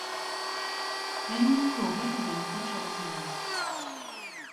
Але ніхто гэтага не хоча разумець.